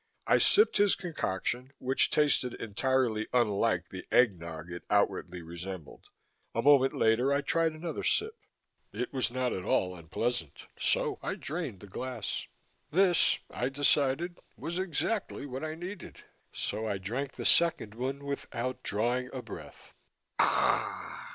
I sipped his concoction, which tasted entirely unlike the egg nog it outwardly resembled. A moment later, I tried another sip. It was not at all unpleasant, so I drained the glass. This, I decided, was exactly what I needed, so I drank the second one without drawing breath. "Ah h h!"